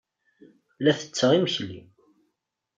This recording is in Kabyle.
La ttetteɣ imekli.